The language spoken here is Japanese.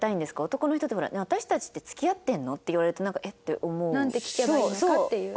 男の人ってほら「私たちって付き合ってるの？」って言われるとなんか「えっ？」って思う？なんて聞けばいいのかっていう。